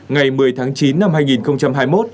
ngày một mươi tháng chín năm hai nghìn hai mươi một